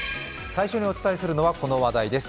最初にお伝えするのはこの話題です。